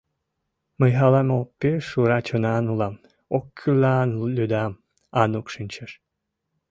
Мый ала-мо пеш ура чонан улам, оккӱллан лӱдам, — Анук шинчеш.